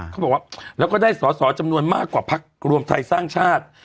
เขาบอกว่าแล้วก็ได้สอสอจำนวนมากกว่าพักรวมไทยสร้างชาติ